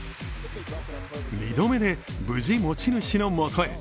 ２度目で無事持ち主のもとへ。